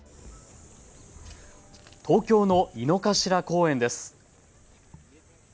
東京の井の頭公園です。